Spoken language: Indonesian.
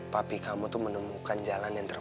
papi kamu tuh menemukan jalan ke sana ya